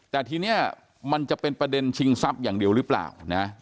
แต่ทีนี้มันจะเป็นประเด็นชิงทรัพย์อย่างเดียวหรือเปล่านะ